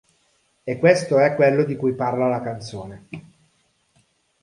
E questo è quello di cui parla la canzone.